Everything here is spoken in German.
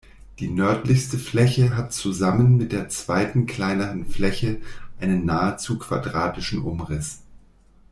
Die nördlichste Fläche hat zusammen mit der zweiten kleineren Fläche einen nahezu quadratischen Umriss.